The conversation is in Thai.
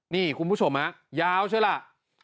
นี่คุณผู้ชมยาวใช่ไหม